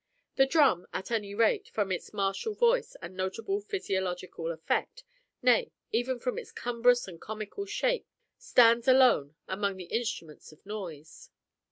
The drum, at any rate, from its martial voice and notable physiological effect, nay, even from its cumbrous and comical shape, stands alone among the instruments of noise.